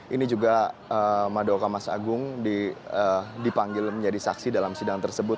ini juga madaoka mas agung dipanggil menjadi saksi dalam sidang tersebut